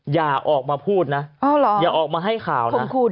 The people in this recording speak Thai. อย่าออกมาพูดนะอย่าออกมาให้ข่าวนะ